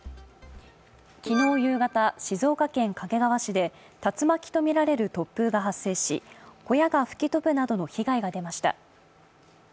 昨日夕方静岡県掛川市で竜巻とみられる突風が発生し、小屋が吹き飛ぶなどの被害が出ました。